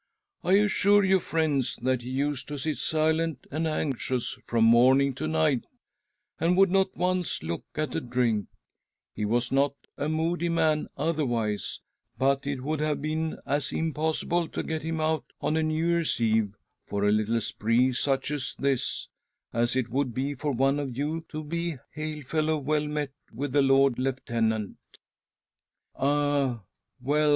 I assure you, friends, that he used to sit silent and anxious from morning to night, and would not once look at a drink. He was not a moody man otherwise, but it would have been as impossible to get him out on •?■•:,'—.:~~_.—: i: i l I $ m THE BIRTH OF A NEW YEAR 27 a New Year's Eve — for a little spree such as this —. as it would be for one of you two to be hail fellow well met with the Lord Lieutenant. " Ah, well